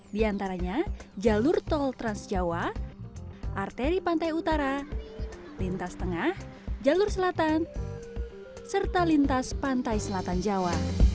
di antaranya jalur tol transjawa arteri pantai utara lintas tengah jalur selatan serta lintas pantai selatan jawa